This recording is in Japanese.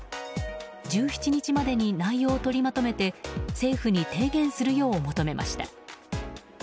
１７日までに内容を取りまとめて政府に提言するよう求めました。